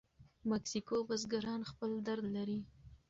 مکسیکو بزګران خپل درد لري.